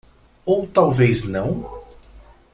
Ou talvez não?